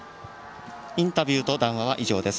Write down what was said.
インタビューと談話は以上です。